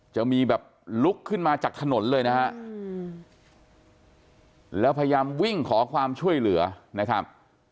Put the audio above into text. จะมีแบบลุกขึ้นมาจากถนนเลยนะฮะแล้วพยายามวิ่งขอความช่วยเหลือนะครับ